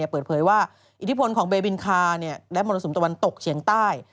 เปิดเผยว่าอิทธิพลของเบบินคาและมรสุมตะวันตกเฉียงใต้